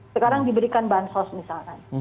sekarang diberikan bansos misalkan